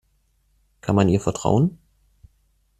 Kann man ihr vertrauen?